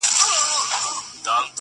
• چي پښتانه په جبر نه، خو په رضا سمېږي -